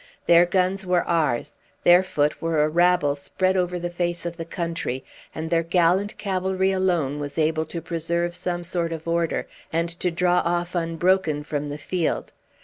Their guns were ours, their foot were a rabble spread over the face of the country, and their gallant cavalry alone was able to preserve some sort of order and to draw off unbroken from the field.